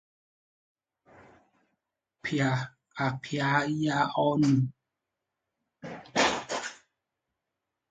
a kapịàghị ya ọnụ